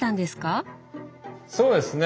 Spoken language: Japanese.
そうですね。